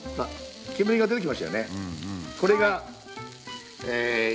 煙が出てきましたよね。